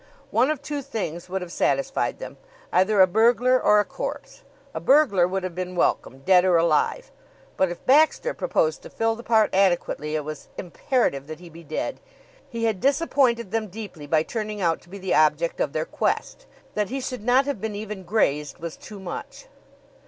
One of two things would have satisfied them either a burglar or a corpse. A burglar would have been welcome, dead or alive; but, if Baxter proposed to fill the part adequately it was imperative that he be dead. He had disappointed them deeply by turning out to be the object of their quest. That he should not have been even grazed was too much.